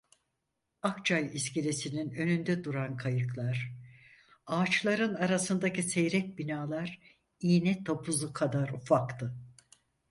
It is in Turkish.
Akçay iskelesinin önünde duran kayıklar, ağaçların arasındaki seyrek binalar iğne topuzu kadar ufaktı.